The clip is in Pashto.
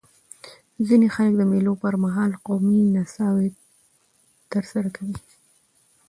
ځيني خلک د مېلو پر مهال قومي نڅاوي ترسره کوي.